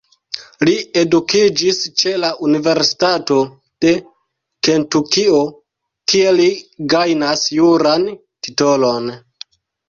Li edukiĝis ĉe la Universitato de Kentukio kie li gajnas juran titolon.